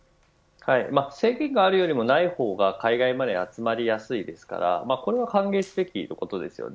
制限があるよりもない方が海外マネーは集まりやすいですからこれは歓迎すべきことですよね。